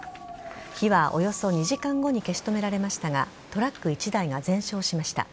火はおよそ２時間後に消し止められましたがトラック１台が全焼しました。